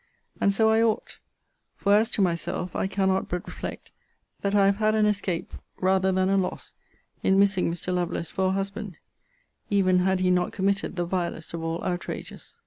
And so I ought. For as to myself, I cannot but reflect that I have had an escape, rather than a loss, in missing Mr. Lovelace for a husband even had he not committed the vilest of all outrages.